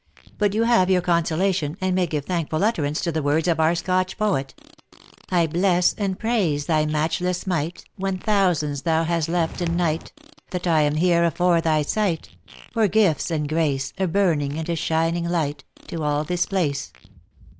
" Bat you have your consolation, and may give thank ful utterance to the words of our Scotch poet : I bless and praise thy matchless might, "Whan thousands thou hast left in night, That I am here afore thy sight, For gifts an grace, A burning and a shining light, To a this place.